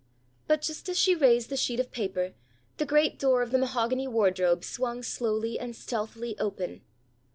But just as she raised the sheet of paper, the great door of the mahogany wardrobe swung slowly and stealthily open.